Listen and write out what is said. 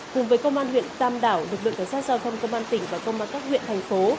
cùng với công an huyện tam đảo lực lượng cảnh sát giao thông công an tỉnh và công an các huyện thành phố